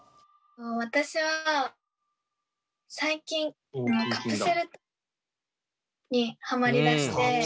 私は最近カプセルトイにはまりだして。